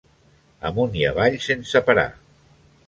Amunt i avall sense parar.